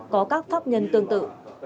có các pháp nhân tương tự